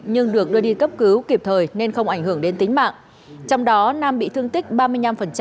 nhưng được đưa đi cấp cứu kịp thời nên không ảnh hưởng đến tính mạng trong đó nam bị thương tích ba mươi năm